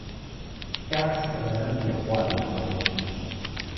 پیاز د بدن یخوالی کموي